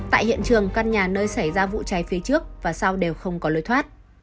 tại hiện trường căn nhà nơi xảy ra vụ cháy phía trước và sau đều không có lối thoát